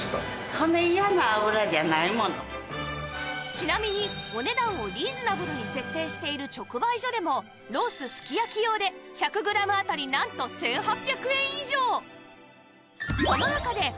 ちなみにお値段をリーナズルに設定している直売所でもロースすき焼き用で１００グラム当たりなんと１８００円以上